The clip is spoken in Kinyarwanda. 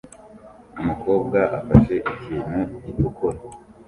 Umukobwa afashe ikintu gitukura